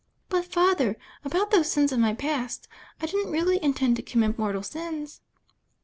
"But, Father — about those sins of my past. I didn't really intend to commit mortal sins."